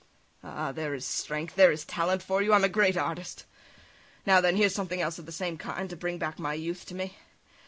Ah! there is strength, there is talent for you! I'm a great artist! Now, then, here's something else of the same kind, to bring back my youth to me.